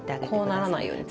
こうならないように。